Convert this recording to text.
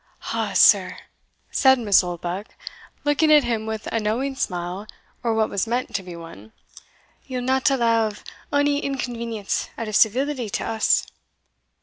"Ah, sir!" said Miss Oldbuck looking at him with a knowing smile, or what was meant to be one, "ye'll not allow of ony inconvenience, out of civility to us."